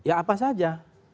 ya apa saja